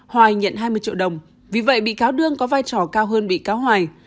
hoài nhận hai mươi triệu đồng vì vậy bị cáo đương có vai trò cao hơn bị cáo hoài